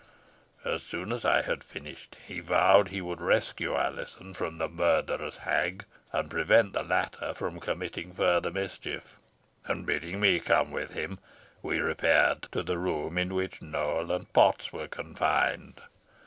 As soon as I had finished, he vowed he would rescue Alizon from the murtherous hag, and prevent the latter from committing further mischief; and bidding me come with him, we repaired to the room in which Nowell and Potts were confined.